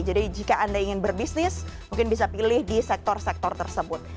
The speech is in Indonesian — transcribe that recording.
jadi jika anda ingin berbisnis mungkin bisa pilih di sektor sektor tersebut